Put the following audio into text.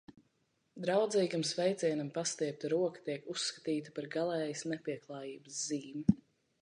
Draudzīgam sveicienam pastiepta roka tiek uzskatīta par galējas nepieklājības zīmi.